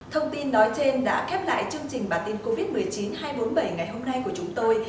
thông tin nói trên đã khép lại chương trình bản tin covid một mươi chín hai trăm bốn mươi bảy ngày hôm nay của chúng tôi